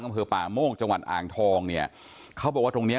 อำเภอป่าโมกจังหวัดอ่างทองเนี่ยเขาบอกว่าตรงเนี้ย